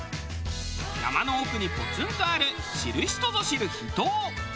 山の奥にポツンとある知る人ぞ知る秘湯。